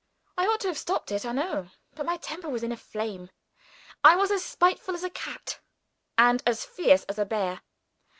I ought to have stopped it I know. But my temper was in a flame. I was as spiteful as a cat and as fierce as a bear.